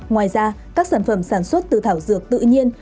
ngoài ra các sản phẩm sản xuất từ thảo dược tự nhiên